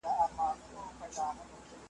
که قواعد ومنې نو لیکنه ښه ده.